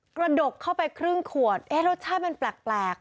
กระดกเข้าไปครึ่งขวดเอ๊ะรสชาติมันแปลก